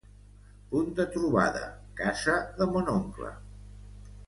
Punt de trobada: casa de mon oncle